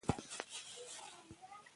د پاکوالي اهمیت په کور کې زده کیږي.